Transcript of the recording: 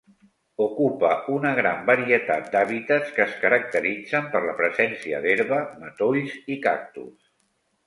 Ocupa una gran varietat d'hàbitats que es caracteritzen per la presència d'herba, matolls i cactus.